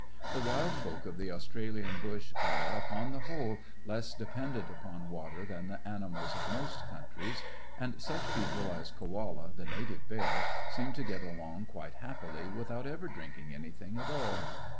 The wild folk of the Australian bush are, upon the whole, less dependent upon water than the animals of most countries, and such people as Koala, the native bear, seem to get along quite happily without ever drinking anything at all.